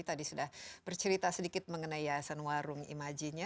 tadi sudah bercerita sedikit mengenai yasan warung imaji nya